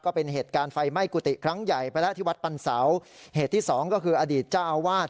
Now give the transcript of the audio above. ก็เป็นเหตุการณ์ไฟไหม้กุฏิครั้งใหญ่ไปแล้วที่วัดปันเสาเหตุที่สองก็คืออดีตเจ้าอาวาส